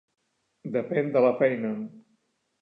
Depèn de la feina.